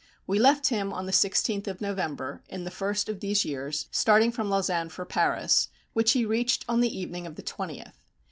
We left him on the 16th of November, in the first of these years, starting from Lausanne for Paris, which he reached on the evening of the 20th.